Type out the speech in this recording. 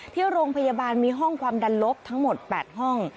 ที่โรงพยาบาลมีห้องความดันลบทั้งหมด๘ห้อง